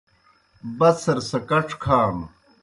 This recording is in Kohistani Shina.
بَڅَھر سہ کڇ کھانوْ۔